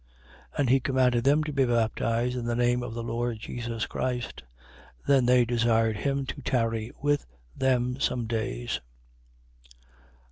10:48. And he commanded them to be baptized in the name of the Lord Jesus Christ. Then they desired him to tarry with them some days.